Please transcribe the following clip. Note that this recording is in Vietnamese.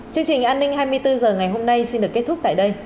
chương trình an ninh hai mươi bốn h ngày hôm nay xin được kết thúc tại đây